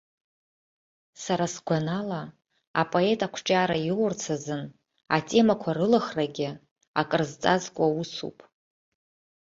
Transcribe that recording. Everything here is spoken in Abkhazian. Сара сгәанала, апоет ақәҿиара иоурц азын атемақәа рылыхрагьы акыр зҵазкуа усуп.